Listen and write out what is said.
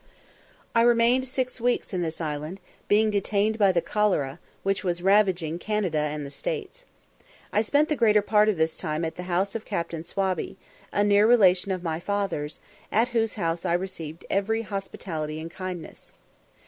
I remained six weeks in this island, being detained by the cholera, which was ravaging Canada and the States. I spent the greater part of this time at the house of Captain Swabey, a near relation of my father's, at whose house I received every hospitality and kindness.